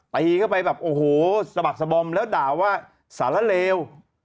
ตีเข้าไปแบบโอ้โหสะบักสะบอมแล้วด่าว่าสาระเลว